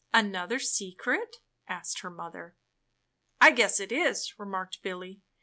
''Another secret?" asked her mother. "I guess it is," remarked Billy.